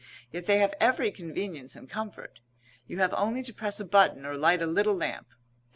Yet they have every convenience and comfort. You have only to press a button or light a little lamp.